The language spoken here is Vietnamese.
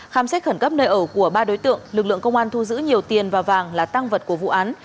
khám xét khẩn cấp nơi ở của ba đối tượng lực lượng công an thu giữ nhiều tiền và vàng là tăng vật của vụ án